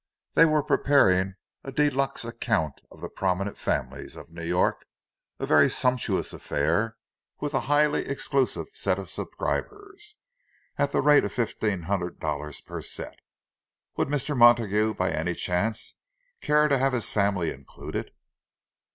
They were preparing a de luxe account of the prominent families of New York; a very sumptuous affair, with a highly exclusive set of subscribers, at the rate of fifteen hundred dollars per set. Would Mr. Montague by any chance care to have his family included?